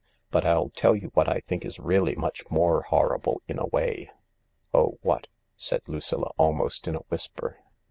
But I'll tell you what I think is really much more horrible, in a way." " Oh, what ?" said Lucilla, almost in a whisper.